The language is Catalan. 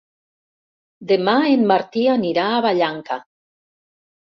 Demà en Martí anirà a Vallanca.